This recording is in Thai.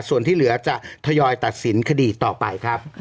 ส่วนที่เหลือจะทยอยตัดสินคดีต่อไปครับ